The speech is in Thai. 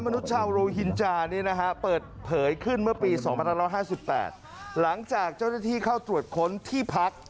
เมื่อปี๒๕๕๘หลังจากเจ้าหน้าที่เข้าตรวจค้นที่พัก